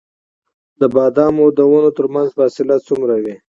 د بادامو د ونو ترمنځ فاصله څومره وي؟